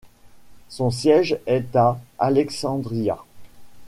Son siège est à Alexandria.